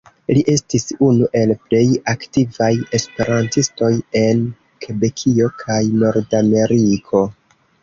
Li estis unu el plej aktivaj esperantistoj en Kebekio kaj Nordameriko.